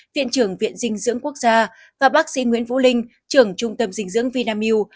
viện trưởng viện dinh dưỡng quốc gia và bác sĩ nguyễn vũ linh trưởng trung tâm dinh dưỡng vinamilk